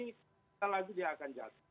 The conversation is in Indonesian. setelah itu dia akan jatuh